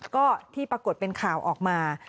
ก็ที่ปรากฏเป็นข่าวออกมา